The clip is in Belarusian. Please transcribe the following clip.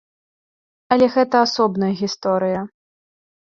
Але гэта асобная гісторыя.